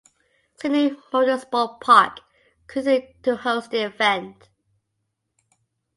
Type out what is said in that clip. Sydney Motorsport Park continued to host the event.